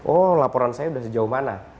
oh laporan saya sudah sejauh mana